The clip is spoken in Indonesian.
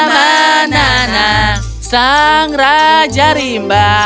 sang raja rimba